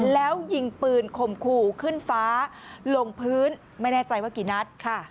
แล้วยิงปืนข่มขู่ขึ้นฟ้าลงพื้นไม่แน่ใจว่ากี่นัด